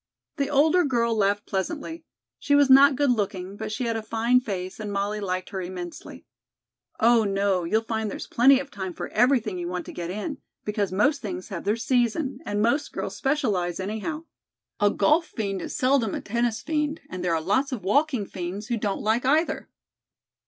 The older girl laughed pleasantly. She was not good looking, but she had a fine face and Molly liked her immensely. "Oh, no, you'll find there's plenty of time for everything you want to get in, because most things have their season, and most girls specialize, anyhow. A golf fiend is seldom a tennis fiend, and there are lots of walking fiends who don't like either."